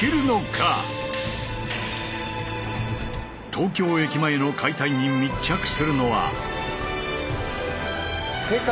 東京駅前の解体に密着するのは。